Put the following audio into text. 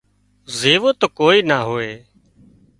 زووي تو ڪوئي نا هوئي